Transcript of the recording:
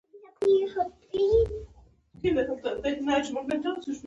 مارجې ځمکې حاصلخیزه دي؟